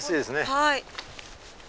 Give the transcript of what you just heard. はい。